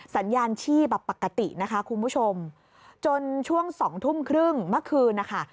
สัญญาณชีพปกตินะคะคุณผู้ชมจนช่วงสองทุ่มครึ่งเมื่อคืนนะคะ